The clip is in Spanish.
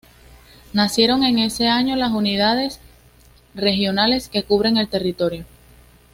Nacieron en ese año las Unidades Regionales que cubren el territorio.